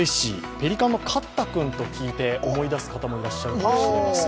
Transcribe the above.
ペリカンのカッタ君と聞いて思い出す方もいらっしゃるかもしれません。